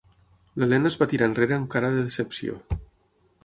L'Helena es va tirar enrere amb cara de decepció.